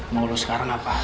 mau lo sekarang apa